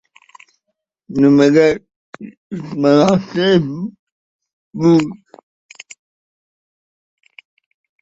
— Unda, o‘sha iflosning kavushini to‘g‘rilab qo‘yamiz, — dedi.